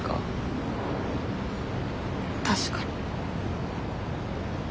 確かに。